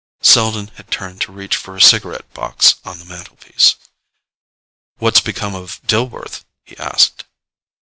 Selden had turned to reach for a cigarette box on the mantelpiece. "What's become of Dillworth?" he asked.